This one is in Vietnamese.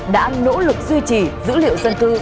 đã nỗ lực duy trì dữ liệu dân cư